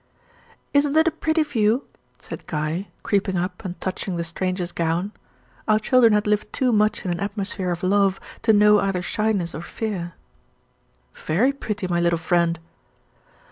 "Isn't it a pretty view?" said Guy, creeping up and touching the stranger's gown; our children had lived too much in an atmosphere of love to know either shyness or fear. "Very pretty, my little friend."